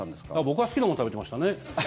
僕は好きなもの食べてましたね。